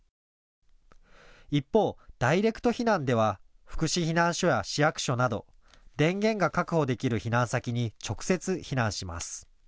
一方、ダイレクト避難では福祉避難所や市役所など電源が確保できる避難先に直接、避難します。